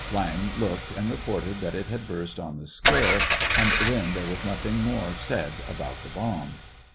Viang looked, and reported that it had burst on the square, and then there was nothing more said about the bomb.